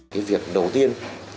cái việc đầu tiên